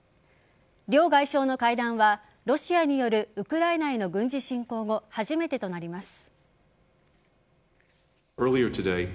両外相の会談はロシアによるウクライナへの軍事侵攻後初めてとなります。